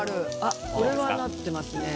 これはなってますね。